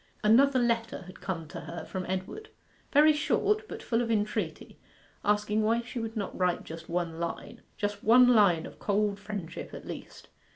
Another letter had come to her from Edward very short, but full of entreaty, asking why she would not write just one line just one line of cold friendship at least?